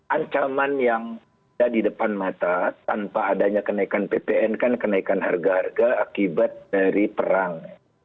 ancaman yang ada di depan mata tanpa adanya kenaikan ppn kan kenaikan harga harga akibat dari perang